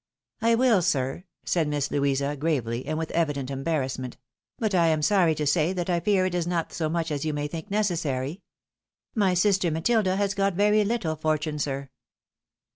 " I will, sir," said Miss Louisa, gravely, and with evident em barrassment ;" but I am sorry to say that I fear it is not so much as you may think necessary. My sister Matilda has got very little fortune, sir.''